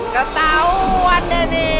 ketauan deh nih